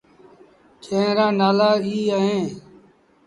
جݩهݩ رآ نآلآ ايٚ اوهيݩ۔